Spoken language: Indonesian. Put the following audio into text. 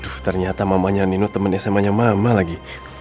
aduh ternyata mamanya nino temen sma nya mama lagi